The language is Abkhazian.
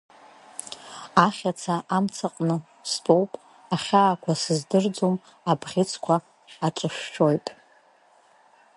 Ахьаца амҵаҟны стәоуп, ахьаақәа сыздырӡом, абӷьыцқәа аҿышәшәоит.